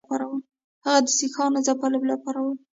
هغه د سیکهانو د ځپلو لپاره وو.